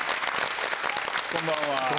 こんばんは。